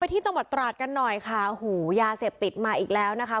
ที่จังหวัดตราดกันหน่อยค่ะโอ้โหยาเสพติดมาอีกแล้วนะคะ